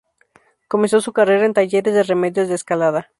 Comenzó su carrera en Talleres de Remedios de Escalada.